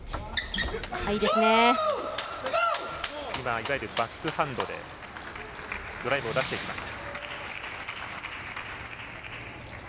いわゆるバックハンドでドライブを出していきました。